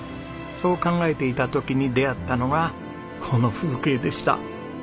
そう考えていた時に出会ったのがこの風景でした。